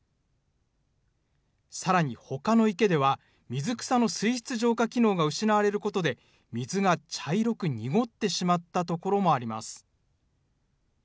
さらにほかの池では、水草の水質浄化機能が失われることで、水が茶色く濁ってしまったところもあります。